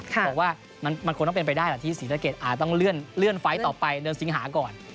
บอกว่ามันควรต้องเป็นไปได้แหละที่ศรีสะเกดอาจต้องเลื่อนไฟล์ต่อไปเดือนสิงหาก่อน